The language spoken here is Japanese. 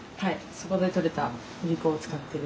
そこで取れたいりこを使ってる。